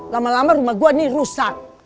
lama lama rumah gue ini rusak